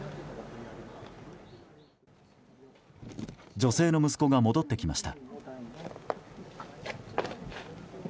女性の息子が戻ってきました。